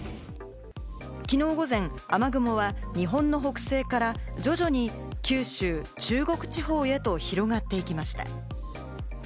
きのう午前、雨雲は日本の北西から徐々に九州、中国地方へと広がっていきました。